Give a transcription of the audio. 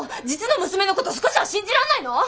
実の娘のこと少しは信じらんないの？